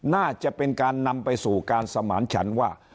น่าจะเป็นการนำไปสู่การสมานฉันว่า